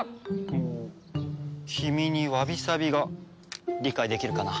ほう君にわびさびが理解できるかな？